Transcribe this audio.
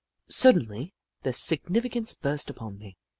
Suddenly the significance burst upon me.